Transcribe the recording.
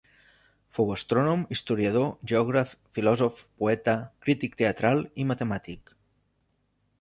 Fou astrònom, historiador, geògraf, filòsof, poeta, crític teatral i matemàtic.